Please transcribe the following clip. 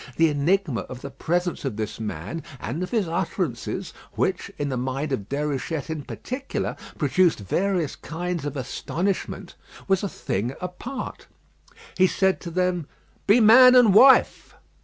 The enigma of the presence of this man, and of his utterances, which, in the mind of Déruchette in particular, produced various kinds of astonishment, was a thing apart. He said to them, "Be man and wife!"